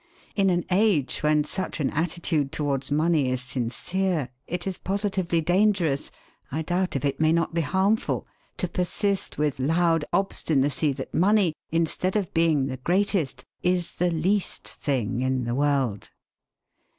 In an age when such an attitude towards money is sincere, it is positively dangerous I doubt if it may not be harmful to persist with loud obstinacy that money, instead of being the greatest, is the least thing in the world.